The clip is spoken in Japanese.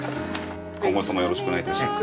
今後ともよろしくお願いいたします。